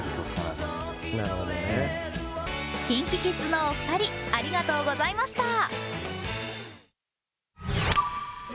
ＫｉｎＫｉＫｉｄｓのお二人、ありがとうございました。